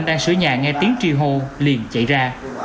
đang sửa nhà nghe tiếng chi hô liền chạy ra